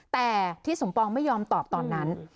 แต่ที่สมปองไม่ยอมตอบตอนนั้น